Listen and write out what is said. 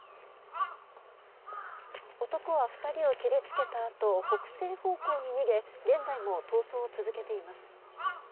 男は２人を切りつけたあと北西方向に逃げ現在も逃走を続けています。